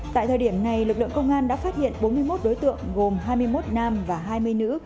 tại thời điểm này lực lượng công an đã phát hiện bốn mươi một đối tượng gồm hai mươi một nam và hai mươi nữ